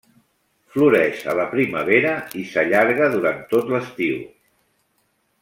Floreix a la primavera i s'allarga durant tot l'estiu.